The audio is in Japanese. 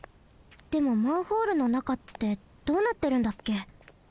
でもマンホールの中ってどうなってるんだっけ？